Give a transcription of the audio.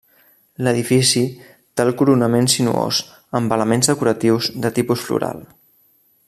L'edifici té el coronament sinuós, amb elements decoratius de tipus floral.